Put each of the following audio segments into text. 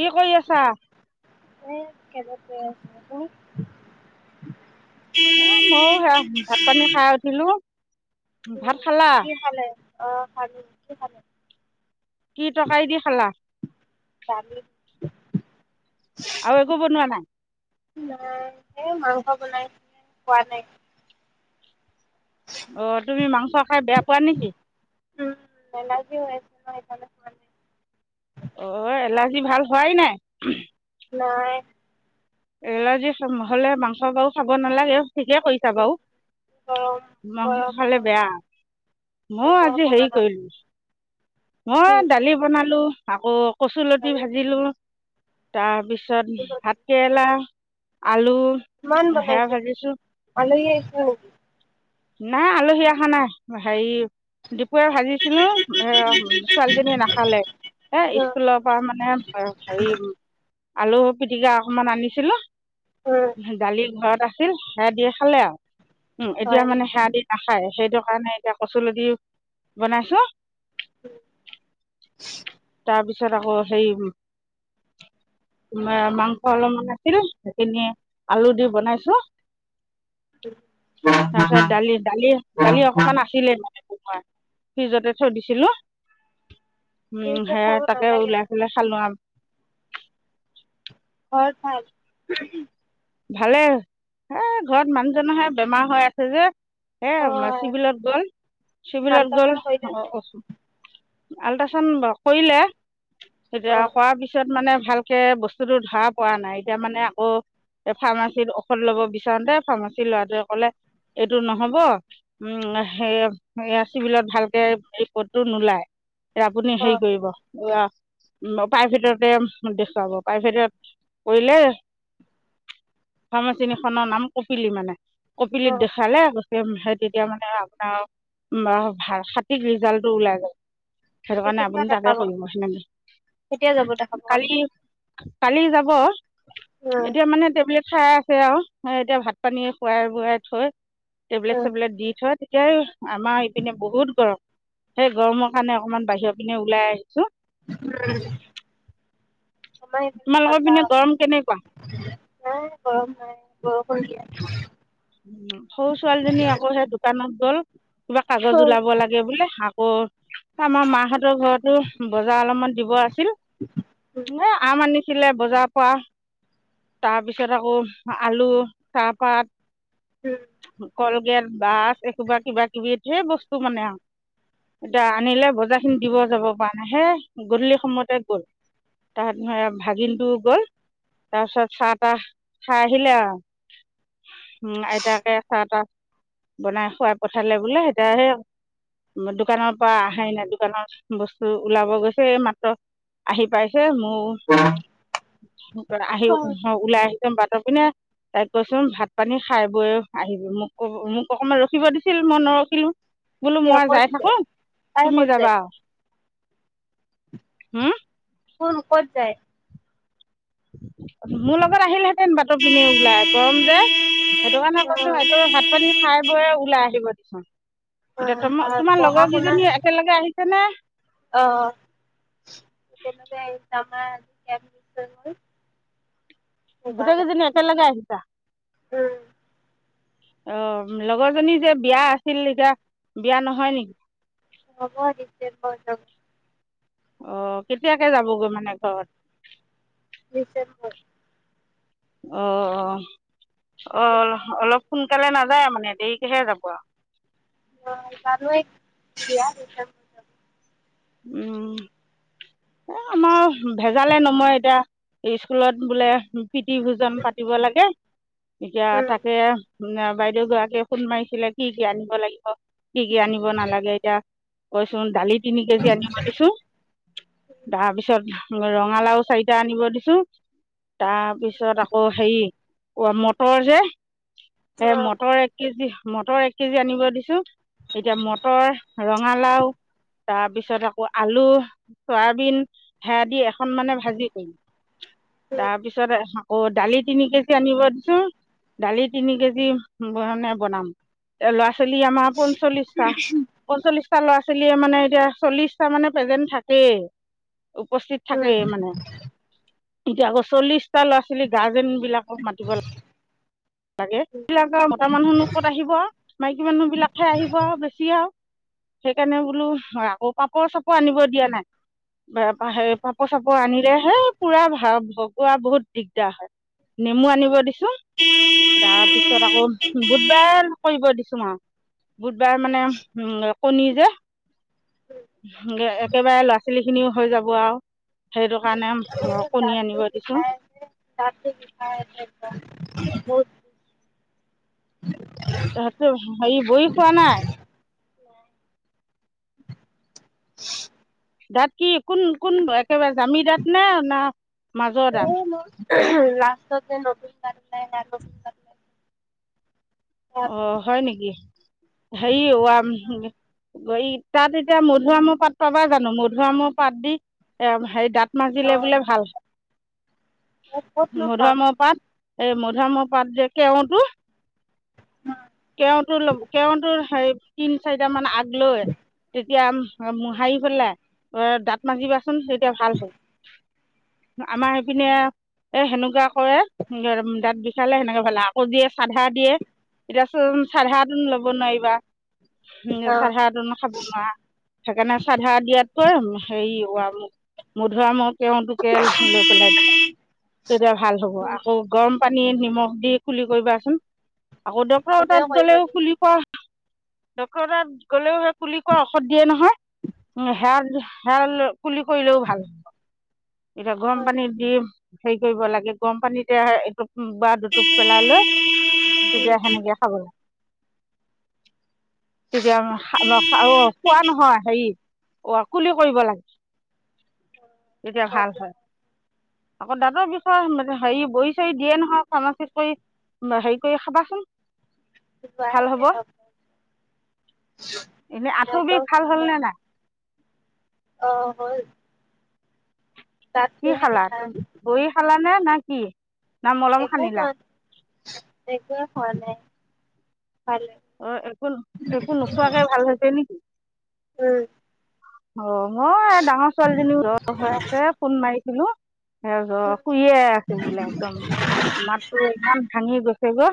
কি কৰি আছা কেজত গৈ আছো তুমি এ ময়ো সেয়া ভাত পানী খাই উঠিলোঁ। ভাত খালা অ ফাগুণীকে পালো। কি টকাৰি দি খালা। আৰু একো বনোৱা নাই। নাই মাংস বনাইছিলে খোৱা নাই। অ তুমি মাংস খাই বেয়া পোৱা নেকি। উম নেলাগে। অ এলাৰ্জি ভাল হোৱাই নাই নাই এলাৰ্জিহলে মাংস বাও খাব নালাগে। ঠিকে কৰিছা বাৰু মাংস খালে বেয়া ময়ো আজি হেৰি কৰিলোঁ। মই দালি বনালো আকৌ কচুলতি ভাজিলো তাৰপিছ পিছত ভাত উম কিমান বনাইছে আলহী আহিছে উম নাই আলহী আহা নাই হেৰি। দুপৰিয়া ভাজিছিলো ছোৱালীজনী নাখালে এ স্কুলৰ পৰা মানে হেৰি। আলু পিটিকা অকমান আনিছিলোঁ দালিৰ ঘৰত আ আছিল সেয়া দিয়ে খালে আৰু উম এতিয়া মানে সেৱা দি নাখায়। সেইটো কাৰণে এতিয়া কচুলো দিও বনাইছো। উম তাৰপিছত আকৌ সেই মাংস অলপমান আছিল সেইখিনি আলু দি বনাইছো। তাৰপিছত দালি দালি দালি অকমান আছিলে, ফ্ৰিজতে থৈ দিছিলো। উম সেইয়া তাকে ওলাই পেলাই খালো আও। হয় ভাল। ভালে, হে ঘৰত মানুহজনৰহে বেমাৰ হৈ আছে যে, হে উলাই, চিভিলত গৈ, চিভিলত গল আল্ট্ৰাচাউণ্ড কৰিলে। তেতিয়া কৰাৰ পিছত মানে, ভালকে বস্তুতটো ধৰা পৰা নাই। এতিয়া মানে আকৌ ফাৰ্মাচীত ঔষধ লব বিচাৰোতে ফাৰ্মাচী ল'ৰাটোৱে কলে, এইটো নহ'ব উম সেই চিভিলত ভালকে ৰিপদটো নোলায়। আপুনি হেৰি কৰিব, অ প্ৰাইভেটতে দেখুৱাব। প্ৰাইভেটত কৰিলে ফাৰ্মাচীখনৰ নাম কপিলি মানে, কপিলিত দেখালে, সেই তেতিয়া মানে আপোনাৰ ভালকে ৰিজাল্টটো ওলাই যায়। সেইটো কাৰণে আপুনি তাকে কৰিব সেনেকে। কালি কালি যাব খবৰ [unintelligible] এতিয়া মানে টেবলেট- খাই আছে আও, এতিয়া ভাত পানী খুৱাই বোৱাই থৈ টেবলেট চেবলেট দি থৈ, দাই [unintelligible] আমাৰ ইপিনে বহুত গৰম। সেই গৰমত, সেই কাৰনে অকনমান বাহিৰ পিনে ওলাই আহিছো। উম [unintelligible] আমাৰ এই পিনে তোমালোকৰ গৰম কেনেকুৱা ঠাণ্ডা, নাই গৰম নাই গৰম পৰিছে। সৰু ছোৱালীজনী আকৌ সেই দোকানত গ'ল। কিবা কাগজ ওলাব লাগে বোলে। হা অ [unintelligible] আমাৰ মাহঁতৰ ঘৰতো বজাৰ অলপমান দিব আছিল। এই আম আনিছি দেখিলে বজাৰ পৰা, তাৰপিছত আকৌ আলু চাহপাত কল গেট বাছ একোবা কিবা কিবি ধেৰ বস্তু মানে আও এতিয়া আনিলে বজাৰ খিনি দিব যাব পা আহে গধূলি সময়তে গ'ল তাহাত নয় ভাগিনটো গল তাৰপিছত চাহ তাহ খাই আহিলে আৰু আইতাকে চাহ তাহ বনাই খোৱাই পঠালে বোলে এতিয়া এই দোকানৰ পৰা আহে নাই দোকানৰ বস্তু ওলাব গৈছে এই মাত্ৰ আহি পাই চে মোৰ আহি ওহ উওলাই আহি বাতৰ পিনে তাইক কৈচোন ভাত পানী খাই বৈ আহিবি মোক মোক অকমান ৰখিব দিছিল মই নৰখিলো। বোলো মই যাই থাকো তুমি যাবা। হম কোন কত যায়? মোৰ লগত আহিলে [unintelligible] বাতৰ পিনে ওলাই গৰম যে সেইটো কাৰণে কৈছো একো ভাত পানী খাই বৈয় ওলাই আহিব [unintelligible] এতিয়া তম তোমাৰ লগৰ কেইজনী একেলগে আহি কেনে অ একেলগে আহি যাম। [unintelligible] গোটেকেইজনী একেলগে আহিবা। উম অ লগৰজনী যে বিয়া আছিল এতিয়া বিয়া নহয় নেকি? হব ডিচেম্বৰ [unintelligible] অ কেতিয়াকে যাবগৈ মানে ঘৰত? ডিচেম্বৰ। অ অ অ অলপ সোনকালে নাযায় মানে দেৰিকেহে যাব আৰু। অ পালোৱে [unintelligible] উম এ আমাৰ ভেজালে নময়ে এতিয়া স্কুলত বোলে প্ৰীতি ভোজন পাতিব লাগে এতিয়া তাকে বাইদেউ গৰাকীয়ে ফোন মাৰিছিলে কি কি আনিব লাগে কি কি আনিব নালাগে এতিয়া ৰচুন দালি কেজি আনিব দিছো। তাৰপিছত ৰঙালাও চাৰিটা আনিব দিছো, তাৰপিছত আকৌ হেৰি মটৰ যে এ মটৰ এক কেজি। মটৰ এক কেজি আনিব দিছো এতিয়া মটৰ ৰঙালাও তাৰপিছত আকৌ আলু চয়াবিন হে দি ন মানে ভাজি কৰিম তাৰ পিছত অ দালি তিনি কেজি আনিব দিচোন দালি তিনি কেজি মানে বনাম লৰা চলি আমাৰ পঞ্চল্লিশটা পঞ্চল্লিশ এ ল'ৰা ছোৱালীয়ে মানে এতিয়া চল্লিশটা মানে প্ৰেজেন্ট থাকে উপস্থিত থাকেই মানে এতিয়া আকৌ চল্লিশটা ল'ৰা ছোৱালী গাৰ্জেন বিলাকক মাতিব লাগে তাগে সবিলাক আৰু মোতা মানুহনো ক'ত আহিব আৰু মাইকী মানুহ বিলাক খাই আহিব আৰু বেছি আৰু সেইকাৰণে বোলো আকৌ পাপৰ চাপৰ আনিব দিয়া নাই পাপৰ চাপৰ আনিলেহে পুৰা ভ ভগুৱা বহুত দিগদাৰ হয় নেমু আনিব দিছে কি [unintelligible] তাৰ পিছত আকৌ বুধবাৰ কৰিব দিছো আৰু বুধবাৰ মানে উম কণী যে একেবাৰে ল সেই খিনিও হৈ যাব আৰু সেইটো কাৰণে কণী দাতটো আনিব দিছোঁ বিশাই আছে দামটো বিশাই আছে ব তাহতো হেৰি বৈ খোৱা নাই নাই দাত কি কোন কোন একেবাৰে জামি দাঁত নে না মাজৰ দাঁত নাই ন অ হয় নেকি হেই কি আম তাত এতিয়া মধুআমৰ পাত পাবা জানো মধুআমৰ পাত দি এ হেৰি দাঁত মাাজিলে বোলে ভাল মধুম পাত এই মধাম পাত যে কেওঁতো অ কে তো ক তো সেই তিন চাৰিটা মান আগ লৈ তেতিয়া মোহাৰি পেলাই অ দাঁত মাাজিবা। চোন তেতিয়া ভাল হ'ল। আমাৰ সেইপিনে এ সেনেকুৱা কৰে, দাঁত বিষালে সেনেকে ভালে আকৌ দিয়ে চাধা দিয়ে। এতিয়া চোন চাধা তোন লব নোৱাৰিবা। উম চাধাটো ন খাব নোৱাৰা সেইকাৰণে চাধা দিয়াতকৈ হেৰি খুৱা মোক মধুুৱামক টোকে লৈ পেলাই তেতিয়া ভাল হব আকৌ গম পানী নিমখ দি খুলি কৰিবা চোন। আকৌ ডক্টৰ তাত গ'লেও খুলি কোৱা। ডক্তৰ তাত গ'লেও হে কুলি কোৱা ঔষধ দিয়ে নহয়, সেয়া হেয়া ললেও কুলি কৰিলেও ভাল হব। এটা গৰম পানী দিম। হেৰি কৰিব লাগে গৰম পানীতে এটোপ বা দুটোপ পেলাই লৈ, তেতিয়া সেনেকে খাব লাগ। তেতিয়া হা লচাও খোৱা নহয় হেৰি অ কুলি কৰিব লাগে। তেতিয়া ভাল হয়। আকৌ দাতৰ বিষয়ে হেৰি বহী চহী দিয়ে নহয় ফাৰ্মাচীত কৰি হেৰি কৰি খাবা। [unintelligible] যায় নে নাযায়? এনেই মই আঁঠুৰ বিষ কাউন্টাৰ ভাল যোৱা হ'লনে নাই। আহ হয় কি খালা গৈ খালা নে? নাকি না মলম সানিলা। একোৱে হোৱা নাই। অ একো একো নোখোৱাকে ভাল হৈছে নেকি? অ মই ডাঙৰ ছোৱালীজনী জ্বৰ হৈ আছে ফোন মাৰি হেল্ল সেইয়া জৰ শুইয়ে আছে বোলে একদম মাততো ইমান ভাঙি গৈছে গে,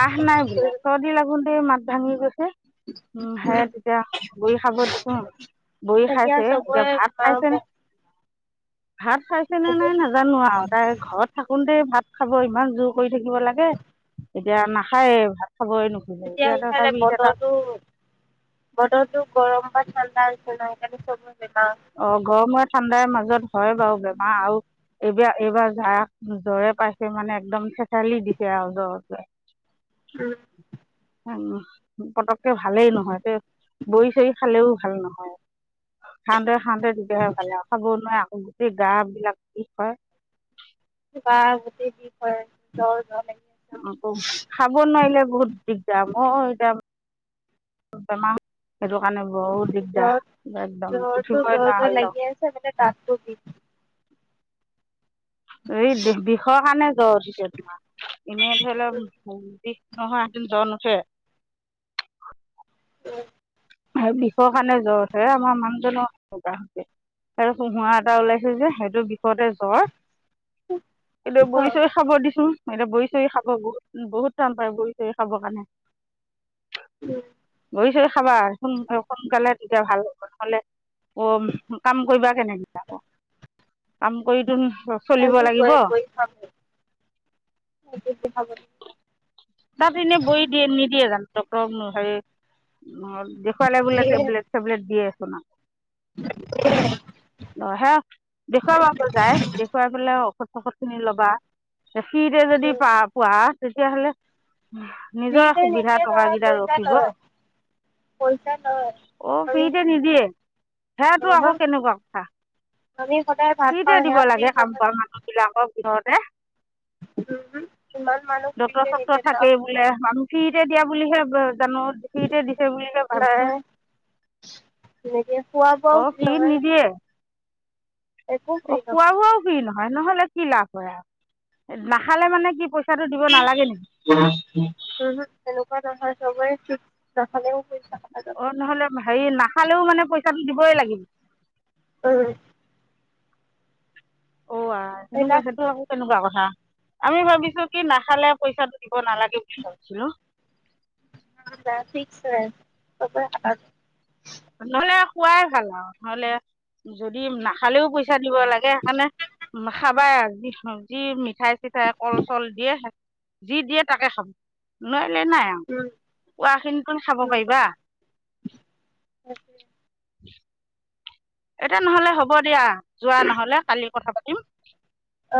কাহ নাই বোলে চৰ্দি লাগোল মাত ভাঙি গৈছ। উ সে তেতিয়া বৰি খাব দিছোং, বৰি খাইছে এতিয়া ভাত খাইছে না ভাত খাইছেনে নাই নাজানো আৰু তাই ঘৰত থাকোতে ভাত। খাব ইমান জোৰ কৰি থাকিব লাগে, এতিয়া নাখায় ভাত খাব এৰিলোং তেতিয়া ইফালে বতৰটো বতৰটো গৰম পাত চন্দা আছিল ন সকাৰি চব অ গৰম আৰু ঠাণ্ডাৰ মাজত হয় বাৰু বেমাৰ আৰু এইবাৰ এইবাৰ জাক জ্বৰে পাইছে মানে একদম থেঠালি দিছে আৰু জ্বৰটো ৱে উম উ পতককে ভালেই নহয় তে বৰি চৰি খালেও ভাল নহয় খাওঁতে স দোলে খাব নোৱাৰ [unintelligible] গোটেই গা বিলাক কি হয়। বা গোটেই দিন জ্বৰ জ্বৰ লাগে খাব নোৱাৰিলে বহুত দিগদাৰ অ যাম। বেমাৰ জ্বৰ জ্বৰটো উঠিবই জ্বৰ নোৱাৰা হৈ জ্বৰ যাওঁ লাগিছে মানে গাতো বিষ এই বিষৰ কাৰণে জ্বৰ উঠিছে তোমাৰ এনেই ধৰি লও নহয় এদিন জ্বৰ নুঠে। আৰু বিষৰ কাৰণে জ্বৰ উঠে আমাৰ মানুহজনৰ সেনেকুৱা হৈছে আৰু সোহৰা এটা ওলাইছে যে হয়তো বিষতে জ্বৰ এইটো বৰি চৰি খাব দিছো। এতিয়া বৰি‌ চৰি খাব বহুত বহুত টান পায় বৰি চৰি খাবৰ কাৰণে বহিছ। খাবাৰ সোন সোনকালে তেতিয়া ভাল হবল নহলে অ কাম কৰিবা কেনেকৈ আক কাম কৰিতো চলিব আজি লাগিব বহি বহি খামহে তাত এনে বৰি দিয়ে নিদিয়ে জানো ডক্টৰ নোহে অ দেখুৱালে বোলে টেবলেট চেবলেট দিয়ে পোন অ সে দেখুৱাব যায় দেখুৱাই পেলাই ঔষধ ঔষধ কিনি লবা। ফ্ৰীটে যদি পা পোৱা। তেতিয়াহ'লে নিজৰ সুবিধা টকাকেইটা ৰখিব অ ফিতে নিদিয়ে সেয়াতটো আকৌ কেনেকুৱা কথা ফ্ৰীতে দিব লাগে কাম কৰা মানুহ বিলাকক তে উম ইমান মানুহ ডক্তৰ ফ্ৰীতে চক্তৰ নিদিয়ে ন থাকেই বোলে আমি ফ্ৰীতে দিয়া বুলি ভাব জানো ফ্ৰিতে দিছে বুলিহে ভাবিছো অ ফ্ৰীত নিদিয়ে? অ খোৱা বোৱা কি ন হয় নহলে কি লাভ হয় আৰু নাখালে মানে কি পই তেনেকুৱা য চবে চিট নাখালেও অ নহলে হেৰি নাখালেও মানে পইচাটো দিবই লাগিব। অ সেনেকুৱা সেইটো আকৌ কেনেকুৱা কথা। আমি ভাবিছো কি নাখালে পইচাটো দিব। ক নালাগে বুলি ভাবিছিলো না ফিক্স হয় নহলে খোৱাই ভাল আৰু নহলে যদি নাখালেও পইচা। দিব লাগে সেইকাৰণে উ খাবাই আৰু যি মিঠাই চিঠাই কল চল দিয়ে যি দিয়ে তাকে খাব নহ নাই আৰু কোৱা খিনিত টো খাব পাৰিবা অকে [inaudible] এতিয়া নহলে হ'ব দিয়া যোৱা নহলে কালি কথা পাতিম।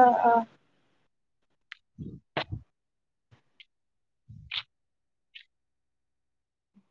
আহ আহ [inaudible]